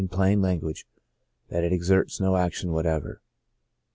93 plain language, that it exerts no action whatever.